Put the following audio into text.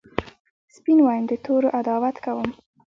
سپین وایم د تورو عداوت کوم